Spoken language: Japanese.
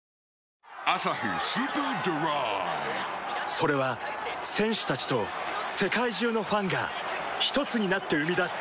それは選手たちと世界中のファンがひとつになって生み出す